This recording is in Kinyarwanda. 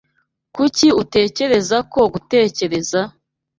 Kuki utekereza ko ngutekereza?